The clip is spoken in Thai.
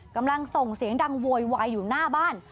กำลังส่งเสียงดังโวยวายอยู่หน้าบ้าน